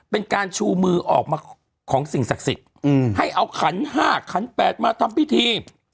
เป็นการชูมือออกมาของสิ่งศักดิ์สิทธิ์ให้เอาขัน๕ขัน๘มาทำพิธี